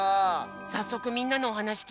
さっそくみんなのおはなしきいてみよう！